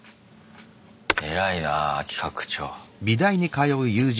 偉いなぁ企画長。